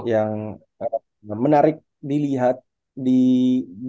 yang menarik dilihat di musim ini